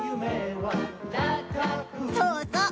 ［そうそう。